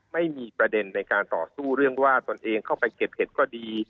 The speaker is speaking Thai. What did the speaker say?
ไม่มีประเด็นในการต่อสู้เรื่องว่าตนเองเข้าไปเก็บเห็ดก็ดี